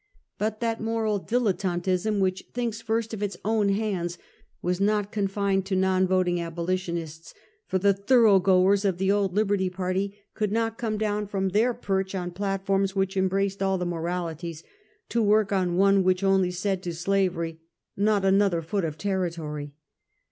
But that moYal dilettanteism, which thin\<.s, iirstof its own hands, was not confined to non voting abolitionists; for the " thorough goers " of the old Liberty Party, could not come down from their perch on platforms which embraced all the moralties, to work on one which only said to slavery " not another foot of ter ritory."